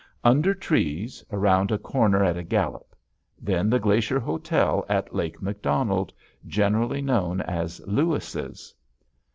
Under trees, around a corner at a gallop. Then the Glacier Hotel at Lake Macdonald, generally known as "Lewis's."